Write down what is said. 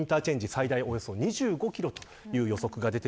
最大およそ２５キロという予測です。